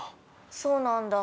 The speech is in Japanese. そうなんだ。